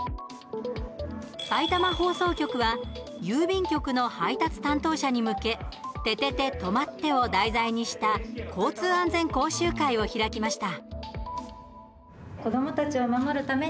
さいたま放送局は郵便局の配達担当者に向け「ててて！とまって！」を題材にした交通安全講習会を開きました。